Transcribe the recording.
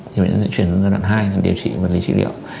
thì bệnh nhân sẽ chuyển sang đoạn hai điều trị vật lý trị liệu